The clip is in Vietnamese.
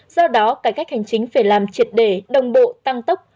do đó cải cách hành chính phải làm triệt đề đồng bộ tăng tốc